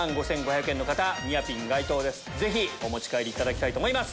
ぜひお持ち帰りいただきたいと思います。